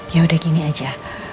yaudah gini aja